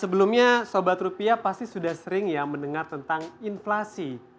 sebelumnya sobat rupiah pasti sudah sering ya mendengar tentang inflasi